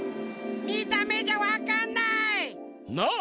みためじゃわかんない。